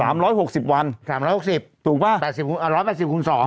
ร้อยหกสิบวันสามร้อยหกสิบถูกป่ะแปดสิบอ่าร้อยแปดสิบคุณสอง